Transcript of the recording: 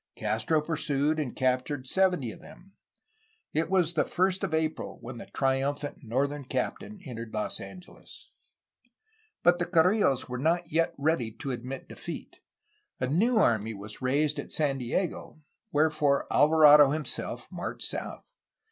Castro pursued, and captured seventy of them. It was the 1st of April when the triumphant northern captain entered Los Angeles. But the Carrillos were not yet ready to admit defeat. A new army was raised at San Diego, wherefore Alvarado him self marched south.